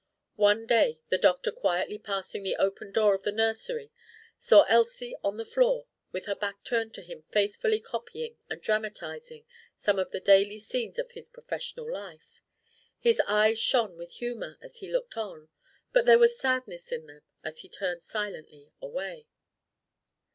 One day the doctor, quietly passing the opened door of the nursery, saw Elsie on the floor with her back turned to him faithfully copying and dramatizing some of the daily scenes of his professional life. His eyes shone with humor as he looked on; but there was sadness in them as he turned silently away.